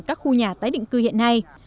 các khu nhà tái định cư hiện nay